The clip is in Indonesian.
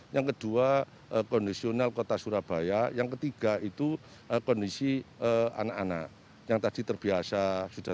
yang kedua kondisional kota surabaya yang ketiga itu kondisi anak anak yang tadi terbiasa sudah